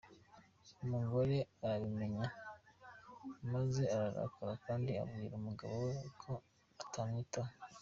Umugore arabimenye maze ararakara kandi abwira umugabo we ko atamwitaho.